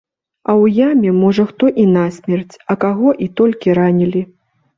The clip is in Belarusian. А ў яме можа хто і насмерць, а каго і толькі ранілі.